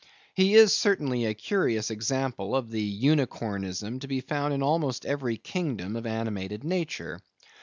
He is certainly a curious example of the Unicornism to be found in almost every kingdom of animated nature.